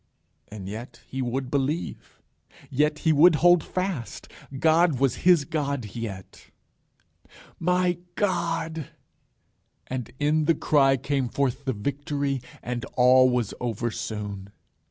And yet he would believe. Yet he would hold fast. God was his God yet. My God and in the cry came forth the Victory, and all was over soon.